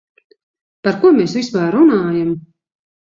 Par ko mēs vispār runājam?